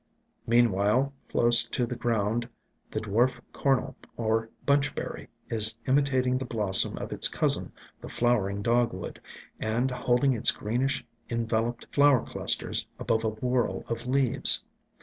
Meanwhile, close to the ground the Dwarf Cornel or Bunch berry is imi tating the blossom of its cousin, the Flowering Dogwood, and holding its greenish enveloped flower clusters above a whorl of leaves.